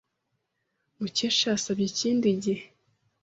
Mukesha yasabye ikindi gihe.